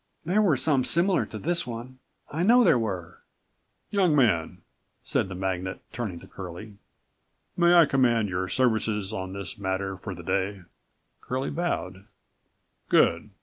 There were some similar to this one. I know there were!" "Young man," said the magnate, turning to Curlie, "may I command your services on this matter for the day?" Curlie bowed. "Good!